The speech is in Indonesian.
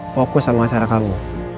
fokus sama cara kamu